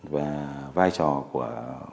và vai trò của